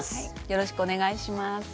よろしくお願いします。